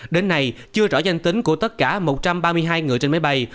đến nay chưa rõ danh tính của tất cả một trăm ba mươi hai người trên máy bay